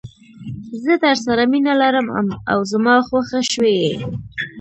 زه درسره مینه لرم او زما خوښه شوي یې.